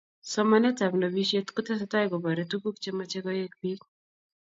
somanetab nobishet kotesetai kobore tuguk chemache koeek biik